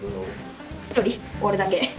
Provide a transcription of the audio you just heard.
１人俺だけ。